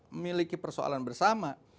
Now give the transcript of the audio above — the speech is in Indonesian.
memiliki persoalan bersama